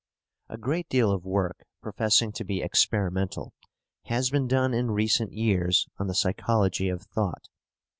A great deal of work professing to be experimental has been done in recent years on the psychology of thought.